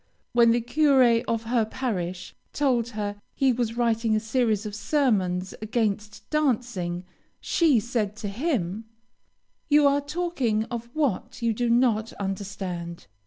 When the curé of her parish told her he was writing a series of sermons against dancing, she said to him: "You are talking of what you do not understand.